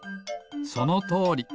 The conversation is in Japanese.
そのとおり。